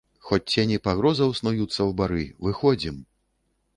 Хоць цені пагрозаў снуюцца ў бары, выходзім!